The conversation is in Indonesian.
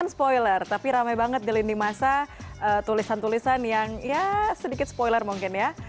spoiler tapi ramai banget di lini masa tulisan tulisan yang ya sedikit spoiler mungkin ya